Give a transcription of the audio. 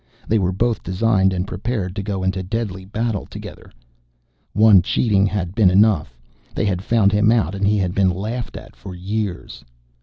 They were both designed and prepared to go into deadly battle together. One cheating had been enough. They had found him out and he had been laughed at for years.